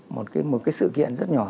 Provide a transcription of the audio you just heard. một cái sự kiện rất nhỏ